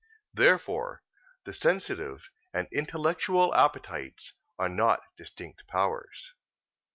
Therefore the sensitive and intellectual appetites are not distinct powers.